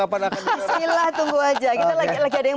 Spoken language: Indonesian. silahkan tunggu aja kita lagi ada yang